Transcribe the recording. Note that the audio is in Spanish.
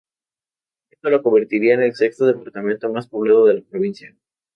Esto lo convertía en el sexto departamento más poblado de la provincia.